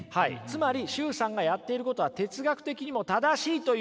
つまり崇さんがやっていることは哲学的にも正しいということで。